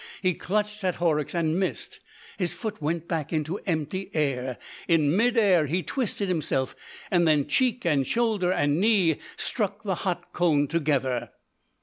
He clutched at Horrocks and missed, his foot went back into empty air; in mid air he twisted himself, and then cheek and shoulder and knee struck the hot cone together.